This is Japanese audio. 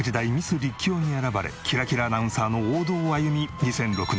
立教に選ばれキラキラアナウンサーの王道を歩み。